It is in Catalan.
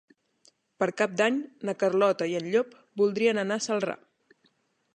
Per Cap d'Any na Carlota i en Llop voldrien anar a Celrà.